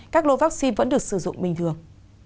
các lô vaccine vẫn được sử dụng bình thường